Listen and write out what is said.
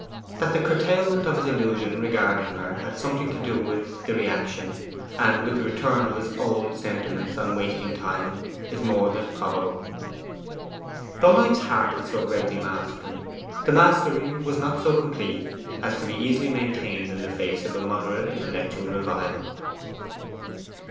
That the curtailment of his illusion regarding her had something to do with the reaction, and with the return of his old sentiments on wasting time, is more than probable. Though Knight's heart had so greatly mastered him, the mastery was not so complete as to be easily maintained in the face of a moderate intellectual revival.